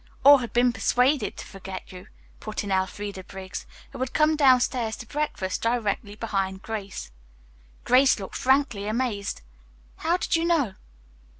"Or had been persuaded to forget you," put in Elfreda Briggs, who had come downstairs to breakfast directly behind Grace. Grace looked frankly amazed. "How did you know?"